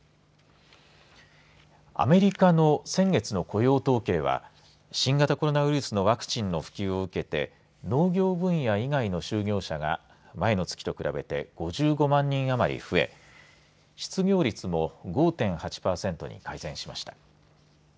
アメリカの先月の雇用統計は新型コロナウイルスのワクチンの普及を受けて農業分野以外の就業者が前の月と比べて５５万人あまり増え失業率も５．８パーセントに改善しました。